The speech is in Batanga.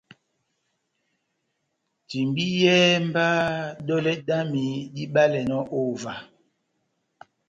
Timbiyɛhɛ mba dɔlɛ dami dibalɛnɔ ová.